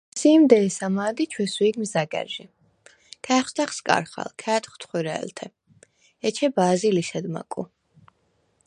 ლასი̄მ დე̄სა მა̄დ ი ჩვესუ̄̈გნ ზაგა̈რჟი. ქა̄̈ხშდა̈ხ სკარხალ, ქა̄̈ტვხ თხუ̈რე̄ლთე. ეჩე ბა̄ზი ლისედ მაკუ.